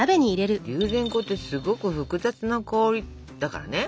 龍涎香ってすごく複雑な香りだからね。